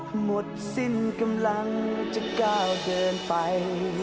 หมดสิ้นกำลังจะก้าวเดินไป